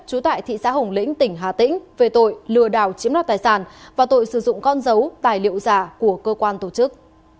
trú tại thị xã hồng lĩnh tỉnh hà tĩnh về tội lừa đảo chiếm đoạt tài sản và tội sử dụng con dấu tài liệu giả của cơ quan tổ chức